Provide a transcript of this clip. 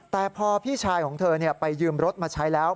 แต่พอพี่ชายของเธอไปยืมรถมาใช้แล้ว